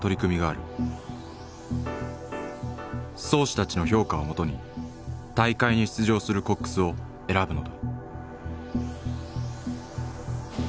漕手たちの評価をもとに大会に出場するコックスを選ぶのだ。